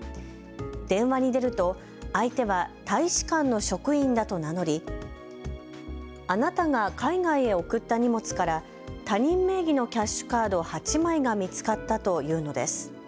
電話に出ると相手は大使館の職員だと名乗りあなたが海外へ送った荷物から他人名義のキャッシュカード８枚が見つかったと言うのです。